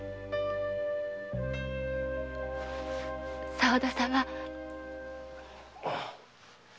沢田様。